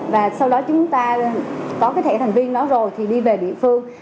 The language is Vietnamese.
và sau đó chúng ta có cái thẻ thành viên đó rồi thì đi về địa phương